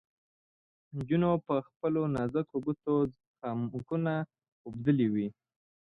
نجونو په خپلو نازکو ګوتو خامکونه اوبدلې وې.